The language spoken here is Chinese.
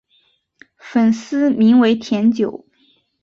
粉丝名为甜酒。